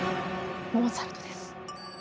モーツァルトです。